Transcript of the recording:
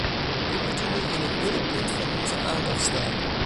Die moeten nu in het middelpunt van onze aandacht staan.